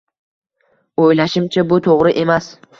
Oʻylashimcha, bu toʻgʻri emas.